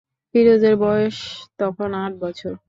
ফিরোজের বয়স তখন আট বছর।